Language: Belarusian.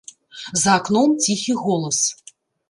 За акном ціхі голас.